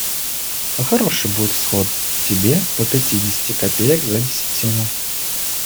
А хороший будет всход, тебе по пятидесяти копеек за десятину.